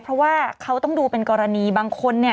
เพราะว่าเขาต้องดูเป็นกรณีบางคนเนี่ย